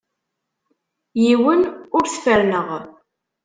Yiwen ur t-ferrneɣ.